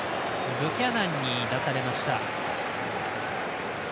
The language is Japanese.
ブキャナンに出されました。